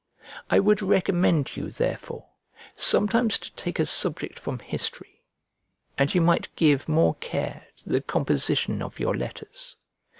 I would recommend you, therefore, sometimes to take a subject from history, and you might give more care to the composition of your letters.